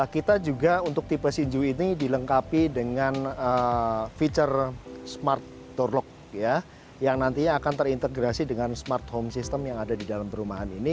kita juga untuk tipe shinju ini dilengkapi dengan feature smart door lock ya yang nantinya akan terintegrasi dengan smart home system yang ada di dalam perumahan ini